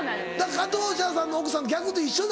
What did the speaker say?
加藤茶さんの奥さんと逆で一緒。